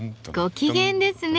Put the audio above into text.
ご機嫌ですね